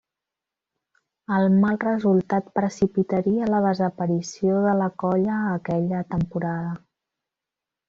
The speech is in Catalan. El mal resultat precipitaria la desaparició de la colla aquella temporada.